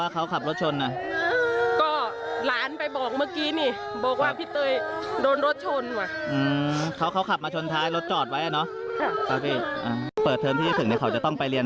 เขาจะเรียนเป็นอะไรรู้ไหมพี่